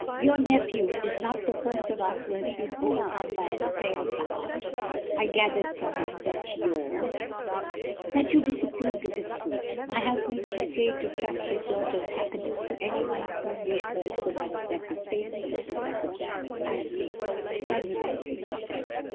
Your nephew is not the first of us who has been overcome by an affair of the heart. I gathered from him that your ... that you disapproved of his suit." "My husband was afraid to trust his daughter's happiness to any one of whom we had heard so much that was painful," said Mrs. D)rmond coldly, and remembering herself.